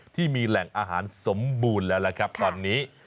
ที่มีแหล่งอาหารสมบูรณ์แล้วล่ะครับตอนนี้